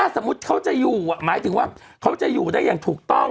สมมุติมั้ยถึงเขาจะอยู่ได้อย่างถูกต้อง